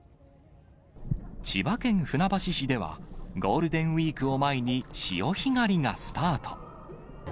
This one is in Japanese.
千葉県船橋市では、ゴールデンウィークを前に、潮干狩りがスタート。